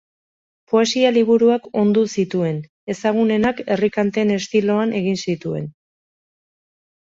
Poesia-liburuak ondu zituen; ezagunenak herri-kanten estiloan egin zituen.